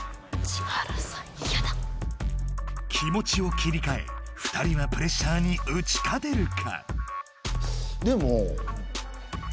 気持ちを切りかえ２人はプレッシャーにうち勝てるか？